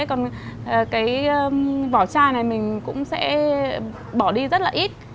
còn cái vỏ chai này mình cũng sẽ bỏ đi rất là ít